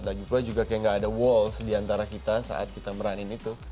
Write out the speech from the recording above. lagipula juga kayak ga ada walls diantara kita saat kita meranin itu